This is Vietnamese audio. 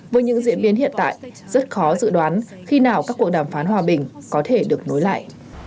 với những diễn biến hiện tại rất khó dự đoán khi nào các cuộc đàm phán hòa bình có thể được nối lại